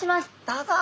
どうぞ。